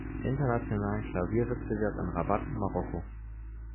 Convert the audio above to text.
Internationalen Klavierwettbewerb in Rabat, Marokko.